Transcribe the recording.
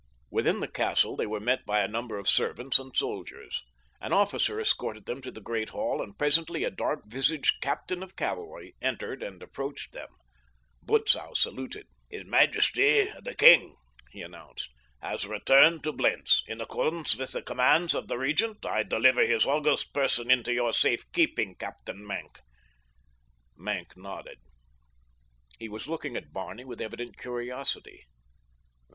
Within the castle they were met by a number of servants and soldiers. An officer escorted them to the great hall, and presently a dark visaged captain of cavalry entered and approached them. Butzow saluted. "His Majesty, the King," he announced, "has returned to Blentz. In accordance with the commands of the Regent I deliver his august person into your safe keeping, Captain Maenck." Maenck nodded. He was looking at Barney with evident curiosity.